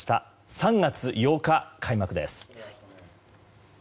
３月８日開幕です。